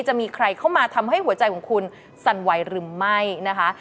จะมีใครเข้ามาทำให้หัวใจของคุณสั่นไหวหรือไม่นะคะ